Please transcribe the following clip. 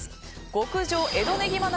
極上江戸ねぎま